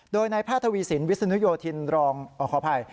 โดยในพระธวีสินวิสุนุโยธินรองขออภัย